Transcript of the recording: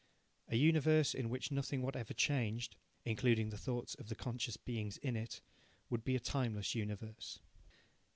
A universe in which nothing whatever changed (including the thoughts of the conscious beings in it) would be a timeless universe.